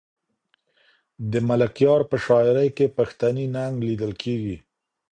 د ملکیار په شاعري کې پښتني ننګ لیدل کېږي.